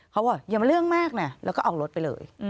เขาบอกอย่ามาเรื่องมากนะแล้วก็เอารถไปเลย